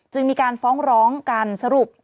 มีการฟ้องร้องกันสรุป